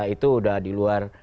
itu udah diluar